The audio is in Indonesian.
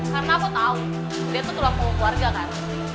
karena aku tau dia tuh telah pengu keluarga kan